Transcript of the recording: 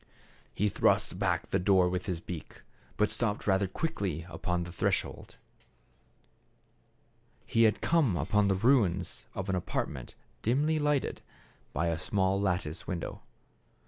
He thrust back the door with his beak, but stopped rather quickly upon the threshold. He had come upon the ruins of an apartment dimly lighted by a small lattice window.